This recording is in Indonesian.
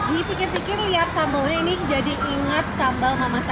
ini pikir pikir lihat sambalnya ini jadi ingat sambal mama saya